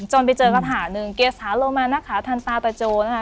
จนไปเจอกระถาหนึ่งเกศหาเรามานะคะทันตาตะโจนะฮะ